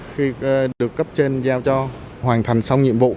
khi được cấp trên giao cho hoàn thành xong nhiệm vụ